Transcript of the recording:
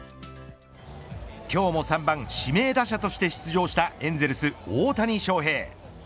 今日も３番指名打者として出場したエンゼルス、大谷翔平。